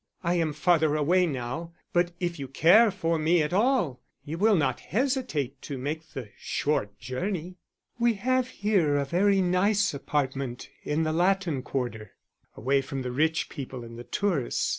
I am farther away now, but if you care for me at all you will not hesitate to make the short journey._ _We have here a very nice apartment, in the Latin Quarter, away from the rich people and the tourists.